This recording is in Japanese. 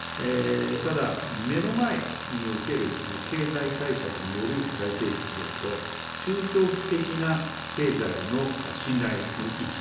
ただ、目の前における経済対策による財政出動と中長期的な経済の信頼の維持。